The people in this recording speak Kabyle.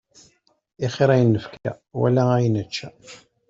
Ixir ayen nefka, wala ayen nečča.